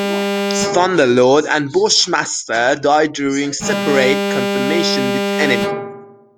Thunderlord and Bushmaster die during separate confrontations with enemy.